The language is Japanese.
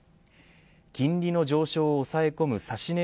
金利の上昇を抑え込む指値